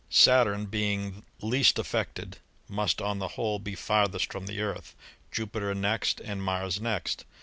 Saturn being least affected, must on the whole be farthest from the Earth, Jupiter next and Mars next.